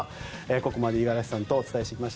ここまで五十嵐さんとお伝えしてきました。